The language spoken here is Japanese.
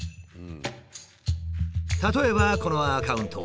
例えばこのアカウント。